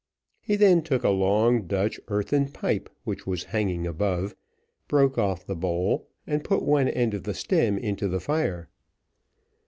He then took a long Dutch earthen pipe which was hanging above, broke off the bowl, and put one end of the stem into the fire.